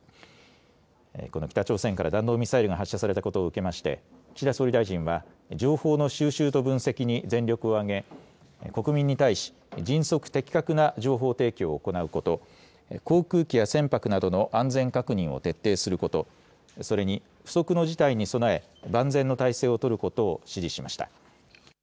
この北朝鮮から弾道ミサイルが発射されたことを受けて岸田総理大臣は情報の収集と分析に全力を挙げ国民に対し迅速・的確な情報提供を行うこと、航空機や船舶などの安全確認を徹底することそれに不測の事態に備え、万全の態勢を取ることを指示しました。